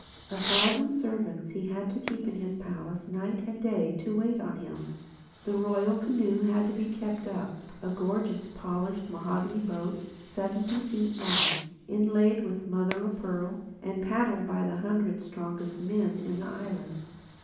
A thousand servants he had to keep in his palace, night and day, to wait on him. The Royal Canoe had to be kept up—a gorgeous, polished mahogany boat, seventy feet long, inlaid with mother o' pearl and paddled by the hundred strongest men in the island.